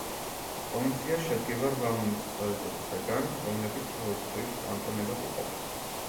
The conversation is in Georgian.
პროვინცია შედგება რვა მუნიციპალიტეტისაგან, რომლებიც თავის მხრივ კანტონებად იყოფა.